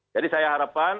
jadi saya harapkan